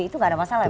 itu tidak ada masalah